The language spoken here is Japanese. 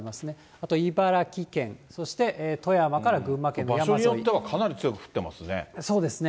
あと茨城県、そして富山から群馬場所によっては、かなり強くそうですね。